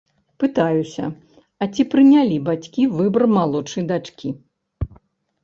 Пытаюся, а ці прынялі бацькі выбар малодшай дачкі.